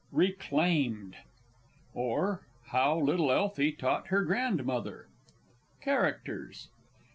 RECLAIMED! OR, HOW LITTLE ELFIE TAUGHT HER GRANDMOTHER. CHARACTERS.